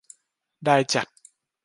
ได้จัด